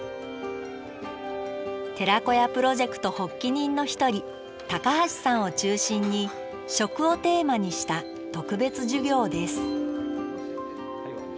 寺子屋プロジェクト発起人の一人橋さんを中心に「食」をテーマにした特別授業です